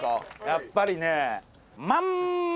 やっぱりね。